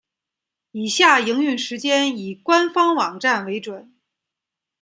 以下营运时间以官方网站为准。